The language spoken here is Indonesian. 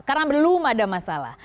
karena belum ada masalah